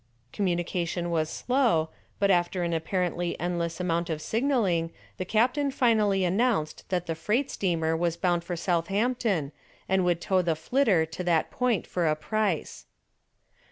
Communication was slow, but after an apparently endless amount of signaling, the captain finally announced that the freight steamer was bound for Southampton and would tow the "Flitter" to that point for a price.